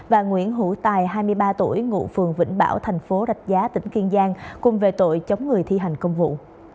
và nguyễn hữu tài hai mươi ba tuổi ngụ phường vĩnh bảo thành phố rạch giá tỉnh kiên giang cùng về tội chống người thi hành công vụ